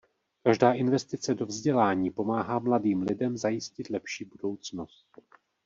Každá investice do vzdělání pomáhá mladým lidem zajistit lepší budoucnost.